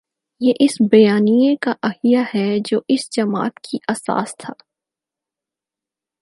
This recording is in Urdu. یہ اس بیانیے کا احیا ہے جو اس جماعت کی اساس تھا۔